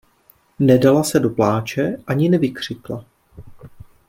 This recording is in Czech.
Nedala se do pláče, ani nevykřikla.